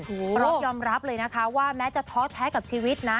พร้อมยอมรับเลยนะคะว่าแม้จะท้อแท้กับชีวิตนะ